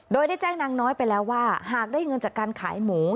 โดยได้แจ้งนางน้อยไปแล้วว่าหากได้เงินจากการขายหมู